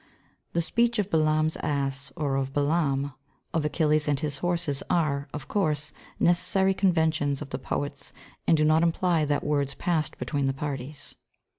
[Footnote 8: The speech of Balaam's ass or of Balaam, of Achilles and his horses are, of course, necessary conventions of the poet's and do not imply that words passed between the parties.